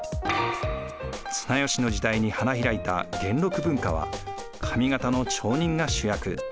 綱吉の時代に花開いた元禄文化は上方の町人が主役。